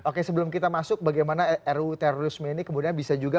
oke sebelum kita masuk bagaimana ruu terorisme ini kemudian bisa juga